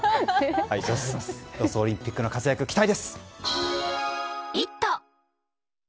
ロスオリンピックでの活躍期待です。